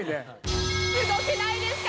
すごくないですか？